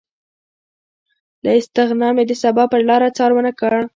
له استغنا مې د سبا پرلاره څار ونه کړ